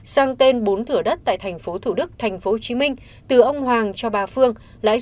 sang tên bốn thửa đất tại thành phố thủ đức thành phố hồ chí minh từ ông hoàng cho bà phương